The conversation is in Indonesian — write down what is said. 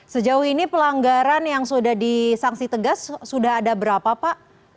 sejauh ini pelanggaran yang sudah disangsi tegas sudah ada berapa pak